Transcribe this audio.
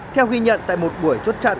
theo ghi nhận tại một buổi chốt trận